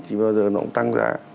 thì bao giờ nó cũng tăng giá